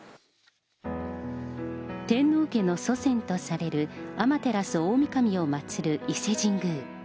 天皇家の祖先とされる、天照大神を祭る伊勢神宮。